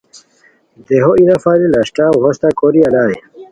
دیہو ای نفری لشٹاؤ ہوستہ کوری الائے